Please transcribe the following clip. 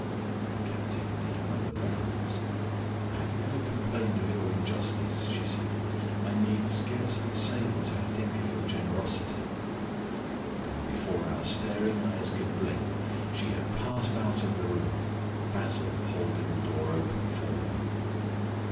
The captive made another reverence. "I have never complained of your injustice," she said. "I need scarcely say what I think of your generosity." And before our staring eyes could blink she had passed out of the room, Basil holding the door open for her.